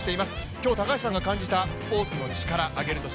今日、高橋さんが感じたスポーツのチカラは？